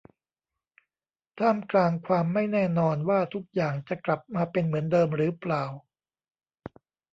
ท่ามกลางความไม่แน่นอนว่าทุกอย่างจะกลับมาเป็นเหมือนเดิมหรือเปล่า